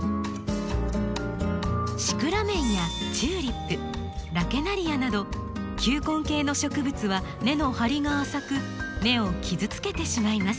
シクラメンやチューリップラケナリアなど球根系の植物は根の張りが浅く根を傷つけてしまいます。